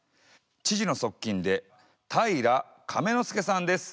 知事の側近で平良亀之助さんです。